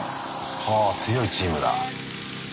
はぁ強いチームだ。